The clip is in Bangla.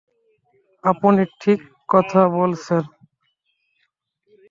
আপনি ঠিক কথা বলেছেন।